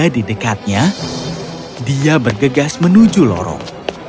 ketika dia berada di dekatnya dia bergegas menuju lorong